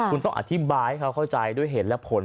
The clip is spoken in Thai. คุณต้องอธิบายให้เขาเข้าใจด้วยเหตุและผล